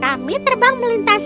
kami akan menemukan apel emas